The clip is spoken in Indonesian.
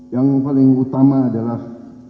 yang paling utama adalah